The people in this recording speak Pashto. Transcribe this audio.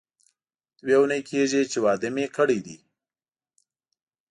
دوې اونۍ کېږي چې واده مې کړی دی.